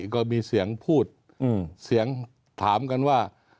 ก็มีเสียงพูดเสียงถามกันว่า